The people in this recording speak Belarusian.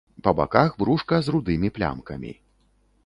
Па баках брушка з рудымі плямкамі.